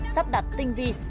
sắp đặt tinh vi